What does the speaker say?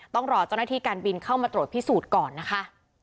ต้องรอเจ้าหน้าที่การบินเข้ามาตรวจพิสูจน์ก่อนนะคะ